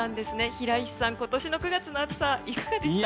平石さん、今年の９月の暑さいかがでしたか？